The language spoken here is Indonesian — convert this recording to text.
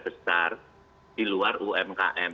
besar di luar umkm